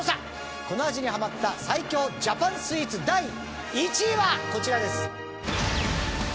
この味にハマった最強ジャパンスイーツ第１位はこちらです。